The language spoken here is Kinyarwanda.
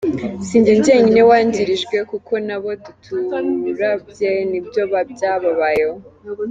Sinjye njyenyine wangirijwe kuko nabo duturabye nibyo byababayeho.